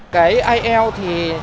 cái ielts thì